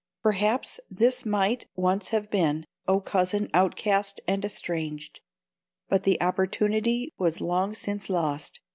Perhaps this thing might once have been, O cousin outcast and estranged! But the opportunity was long since lost.